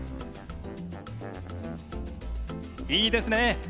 いいですね。